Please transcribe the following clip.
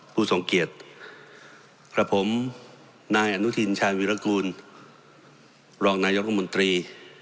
ผู้สงเกียจครับผมนายอนุทินชาวีรกูลรองนายรับมนตรี